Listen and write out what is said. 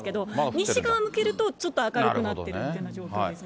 西側向けるとちょっと明るくなってるっていうような状況ですね。